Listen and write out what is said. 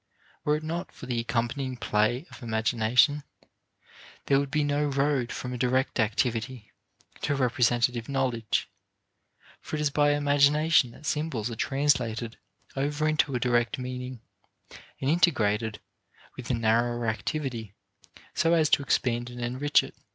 Were it not for the accompanying play of imagination, there would be no road from a direct activity to representative knowledge; for it is by imagination that symbols are translated over into a direct meaning and integrated with a narrower activity so as to expand and enrich it.